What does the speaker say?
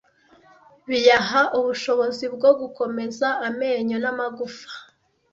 biyaha ubushobozi bwo gukomeza amenyo n’amagufa